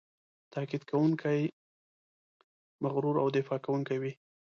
تاکید کوونکی، مغرور او دفاع کوونکی وي.